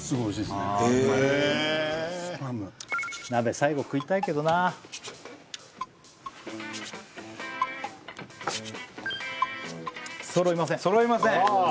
スパム鍋最後食いたいけどなあ揃いません揃いません？